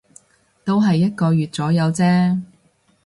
都係一個月左右啫